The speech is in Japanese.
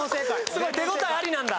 すごい手応えありなんだ。